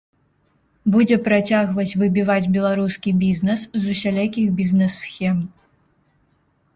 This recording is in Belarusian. Будзе працягваць выбіваць беларускі бізнэс з усялякіх бізнэс-схем.